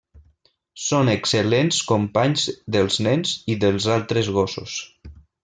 Són excel·lents companys dels nens i dels altres gossos.